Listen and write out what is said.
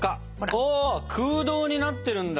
わ空洞になってるんだ。